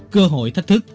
cơ hội thách thức